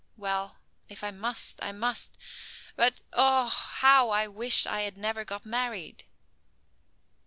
Well, if I must, I must, but oh! how I wish I had never got married."